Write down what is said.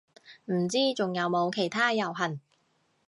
唔知仲有冇其他遊行